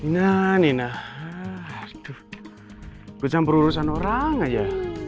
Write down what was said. nina nina aduh kucam perurusan orang aja